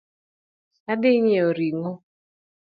Adhi ng'iewo ring'o